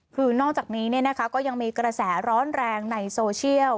คือนอกจากนี้ก็ยังมีกระแสร้อนแรงในโซเชียล